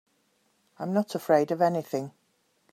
I'm not afraid of anything.